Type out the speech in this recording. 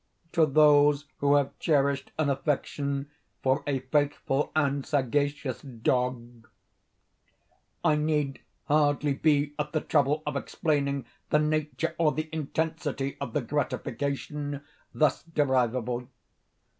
To those who have cherished an affection for a faithful and sagacious dog, I need hardly be at the trouble of explaining the nature or the intensity of the gratification thus derivable.